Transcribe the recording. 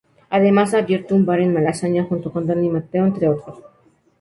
Además ha abierto un bar en Malasaña junto con Dani Mateo, entre otros.